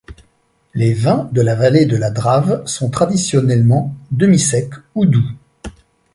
Les vins de la vallée de la Drave sont traditionnellement demi-secs ou doux.